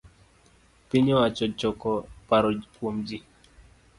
piny owacho choko paro kuom ji